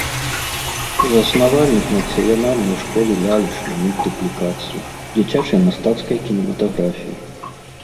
Заснавальнік нацыянальнай школы лялечнай мультыплікацыі, дзіцячай мастацкай кінематаграфіі.